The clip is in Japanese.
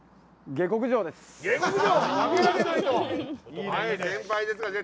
下克上です！